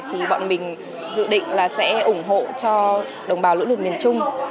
thì bọn mình dự định là sẽ ủng hộ cho đồng bào lũ lụt miền trung